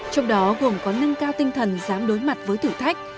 trong đó gồm có nâng cao tinh thần dám đối mặt với thử thách